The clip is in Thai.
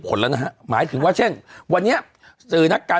ผลแล้วนะฮะหมายถึงว่าเช่นวันนี้สื่อนักการ